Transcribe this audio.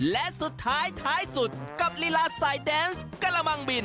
และสุดท้ายท้ายสุดกับลีลาสายแดนส์กระมังบิน